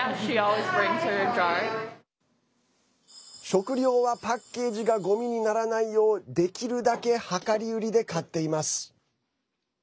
食料はパッケージがごみにならないようできるだけ量り売りで買っています。